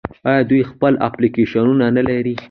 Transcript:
آیا دوی خپل اپلیکیشنونه نلري؟